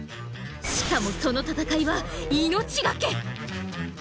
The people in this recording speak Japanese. しかもその闘いは「命がけ」！